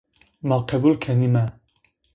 Ma qebul kenîme